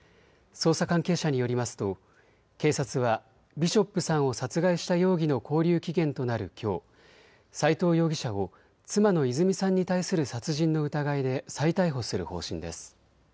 捜査関係者によりますと警察はビショップさんを殺害した容疑の勾留期限となるきょう、斎藤容疑者を妻の泉さんに対する殺人の疑いで再逮捕する方針です。